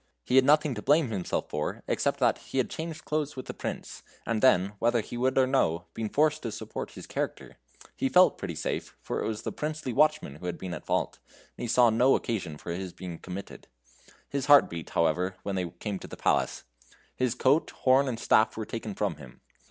He had nothing to blame himself for except that he had changed clothes with the Prince, and then, whether he would or no, been forced to support his character. He felt pretty safe, for it was the princely watchman who had been at fault, and he saw no occasion for his being committed. His heart beat, however, when they came to the palace. His coat, horn, and staff were taken from him.